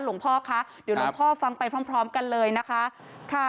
หลวงพ่อค่ะเดี๋ยวหลวงพ่อฟังไปพร้อมกันเลยนะคะ